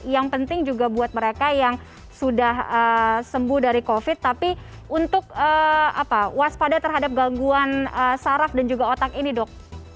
yang penting juga buat mereka yang sudah sembuh dari covid tapi untuk waspada terhadap gangguan saraf dan juga otak ini dok